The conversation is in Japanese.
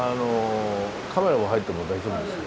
カメラも入っても大丈夫ですか？